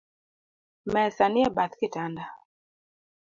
Mesa nie bath kitanda